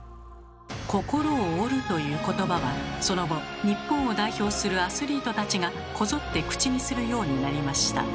「心を折る」ということばはその後日本を代表するアスリートたちがこぞって口にするようになりました。